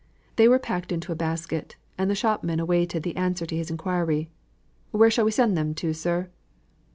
They were packed into a basket, and the shopman awaited the answer to his inquiry, "Where shall we send them to, sir?"